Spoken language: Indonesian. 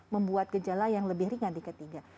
membuat gejala yang lebih ringan di ketiga